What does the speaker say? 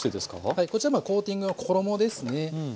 はいこちらまあコーティングの衣ですね。